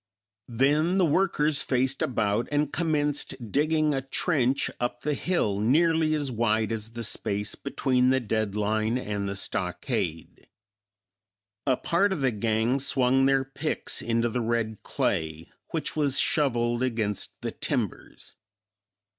Then the workers faced about and commenced digging a trench up the hill nearly as wide as the space between the dead line and the stockade. A part of the gang swung their picks into the red clay which was shoveled against the timbers.